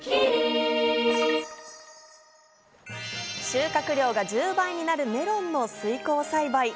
収穫量が１０倍になるメロンの水耕栽培。